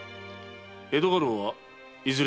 江戸家老はいずれじゃ？